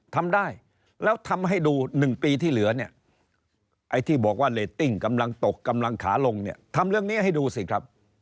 ทำได้แล้วทำให้ดู๑ปีที่เหลือเนี่ยไอ้ที่บอกว่าเรตติ้งกำลังตกกำลังขาลงเนี่ยทำเรื่องนี้ให้ดูสิครับ